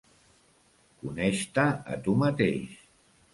Coneix-te a tu mateix.